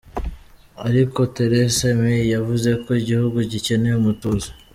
Ariko theresa May yavuze ko igihugu gikeneye umutuzo.